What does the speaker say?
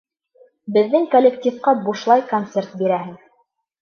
Беҙҙең коллективҡа бушлай концерт бирәһең.